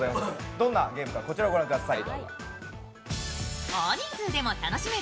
どんなゲームか、こちらをご覧ください。